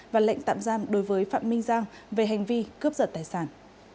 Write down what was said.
và lệnh tạm giam đối với phạm minh giang về hành vi cướp giật tài sản